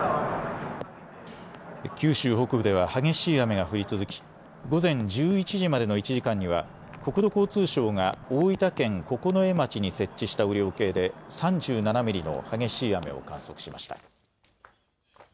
九州北部では激しい雨が降り続き午前１１時までの１時間には国土交通省が大分県九重町に設置した雨量計で３７ミリの激しい雨を観測しました。